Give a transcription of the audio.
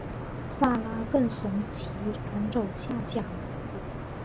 撒拉更怂其赶走夏甲母子。